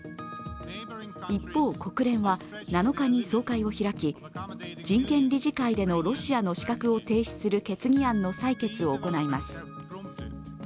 一方、国連は７日に総会を開き、人権理事会でのロシアの資格を停止する決議案の採決を行います。